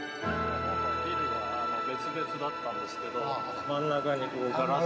ビルが別々だったんですけど真ん中にガラスの。